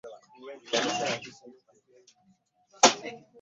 Kikwanguyira okubeera n'abaana abo?